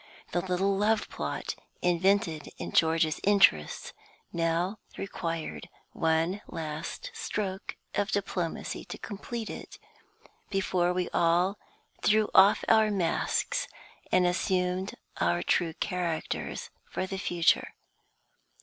The little love plot invented in George's interests now required one last stroke of diplomacy to complete it before we all threw off our masks and assumed our true characters for the future.